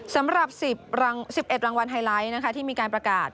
สำหรับ๑๑รางวัลไฮไลท์ที่มีการประกาศ